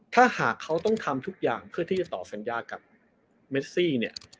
ถ้าหากเขาต้องทำทุกอย่างเพื่อที่จะต่อสัญญากับเมซี่เนี่ย